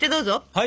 はい！